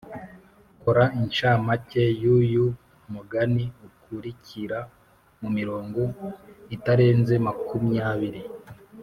kora inshamake y’uyu mugani ukurikira mu mirongo itarenze makumyabiri.